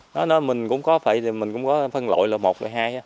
nói nói mình cũng có phải mình cũng có phân lội là một hay hai